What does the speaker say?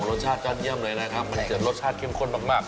รสชาติก็เยี่ยมเลยนะครับมันจะรสชาติเค็มข้นมากมาก